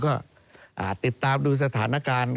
ก็ติดตามดูสถานการณ์